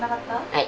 はい。